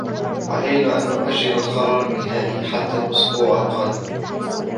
علينا أن نأجل القرار النهائي حتى الأسبوع القادم.